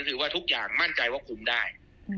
ถือว่าทุกอย่างมั่นใจว่าคุมได้